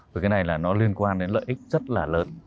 vì cái này là nó liên quan đến lợi ích rất là lớn